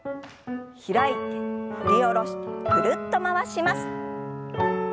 開いて振り下ろしてぐるっと回します。